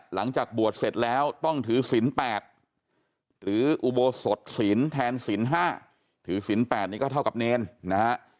หลังจากบวชเสร็จแล้วต้องถือศิลป์๘หรืออุโบสถศิลป์แทนศิลป์๕ถือศิลป๘นี่ก็เท่ากับเนรนะฮะ